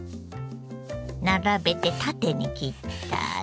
並べて縦に切ったら。